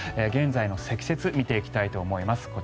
現在の積雪を見ていきたいと思います。